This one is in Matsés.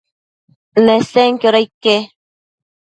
Nesenquioda ique?